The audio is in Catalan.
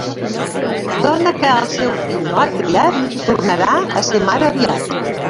Dona que al seu fill no ha criat tornarà a ser mare aviat.